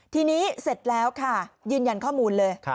ทีนี้เสร็จแล้วค่ะยืนยันข้อมูลเลย